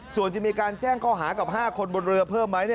ส่วนจะมีการแจ้งข้อหากับ๕คนบนเรือเพิ่มไหม